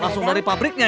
langsung dari pabriknya ya